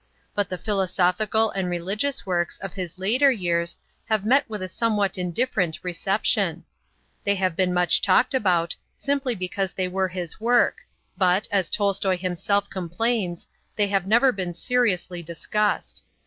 But the philosophical and religious works of his later years have met with a somewhat indifferent reception. They have been much talked about, simply because they were his work, but, as Tolstoi himself complains, they have never been seriously discussed.